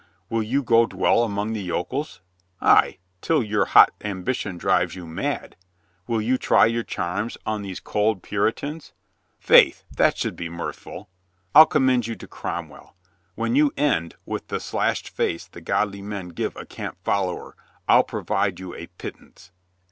Will you go dwell among the yokels ? Ay, till your hot ambition drives you mad. Will you try your charms on these cold Puritans? Faith, that should be mirthful. I'll commend you to Cromwell. When you end with the slashed face the godly men give a camp follower I'll provide you a pittance."